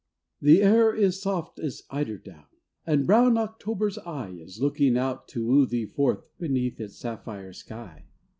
The air is soft as eider down ; And brown October's eye Is looking out to woo thee forth Beneath its sapphire sky.